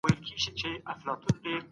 کله باید د خپلو لاسته راوړنو ستاینه وکړو؟